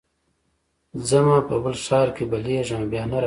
ځمه په بل ښار کي بلېږمه بیا نه راځمه